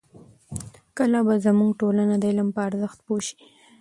کله به زموږ ټولنه د علم په ارزښت پوه شي؟